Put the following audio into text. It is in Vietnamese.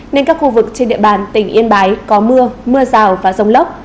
nên các khu vực trên địa bàn tỉnh yên bái có mưa mưa rào và rông lốc